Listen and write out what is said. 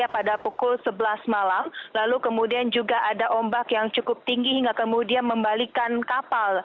pada pukul sebelas malam lalu kemudian juga ada ombak yang cukup tinggi hingga kemudian membalikan kapal